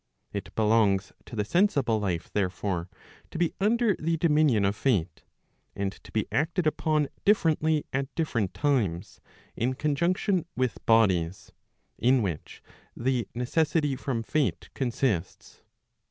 It belongs to the sensible life therefore, to be under the dominion of Fate, and to be acted upon differently at different times, in conjunction with bodies, in which the necessity from Fate consists.